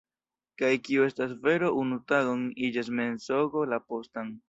Kaj kio estas vero unu tagon iĝas mensogo la postan.